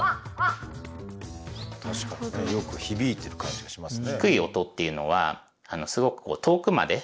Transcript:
確かにねよく響いてる感じがしますね。